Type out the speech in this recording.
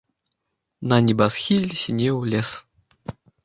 На небасхіле сінеў лес.